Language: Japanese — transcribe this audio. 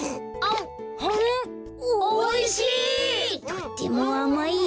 とってもあまいや！